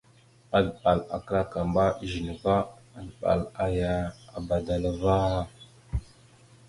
Azləɓal a klakamba a ezine va, azləɓal aya a badala vaŋa.